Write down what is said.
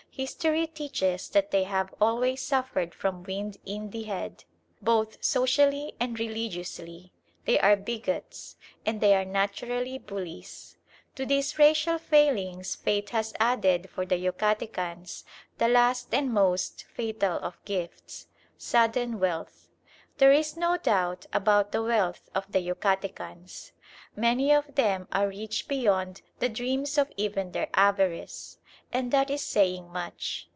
History teaches that they have always suffered from "wind in the head," both socially and religiously. They are bigots, and they are naturally bullies. To these racial failings Fate has added for the Yucatecans the last and most fatal of gifts, sudden wealth. There is no doubt about the wealth of the Yucatecans. Many of them are rich beyond the dreams of even their avarice, and that is saying much.